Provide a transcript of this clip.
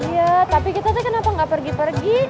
iya tapi kita sih kenapa nggak pergi pergi